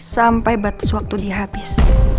sampai batas waktu dia habis